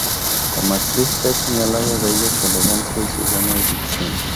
Como actriz se ha señalado de ella su elegancia y buena dicción.